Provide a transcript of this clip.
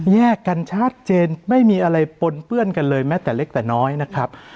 แยกกันชัดเจนไม่มีอะไรปนเปื้อนกันเลยแม้แต่เล็กแต่น้อยนะครับ